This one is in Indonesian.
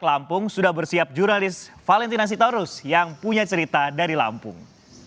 lampung sudah bersiap jurnalis valentina sitorus yang punya cerita dari lampung